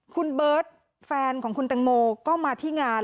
คุณเบิร์ตแฟนของคุณแตงโมก็มาที่งาน